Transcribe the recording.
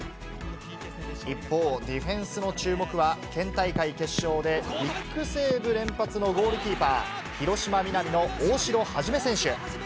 一方、ディフェンスの注目は、県大会決勝でビッグセーブ連発のゴールキーパー、広島皆実の大代初芽選手。